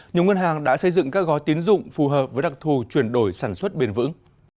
nhiều ngân hàng đã xây dựng các gói tiến dụng phù hợp với đặc thù chuyển đổi sản xuất bền vững